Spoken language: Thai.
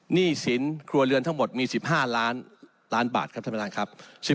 หนี้สินครัวเรือนทั้งหมดมี๑๕ล้านล้านบาทครับท่านประธานครับ